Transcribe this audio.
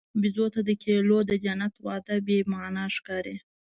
بیزو ته د کیلو د جنت وعده بېمعنی ښکاري.